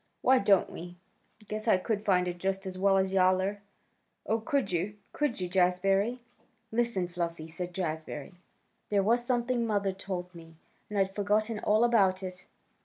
"Why don't we? Guess I could find it just as well as Yowler." "Oh, could you? Could you, Jazbury?" "Listen, Fluffy!" said Jazbury. "There was something mother told me, and I'd forgotten all about it.